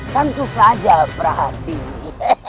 tentu saja prasini